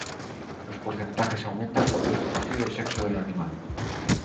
Los porcentajes aumentan cuando es conocido el sexo del animal.